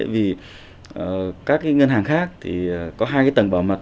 vì các cái ngân hàng khác thì có hai cái tầng bảo mật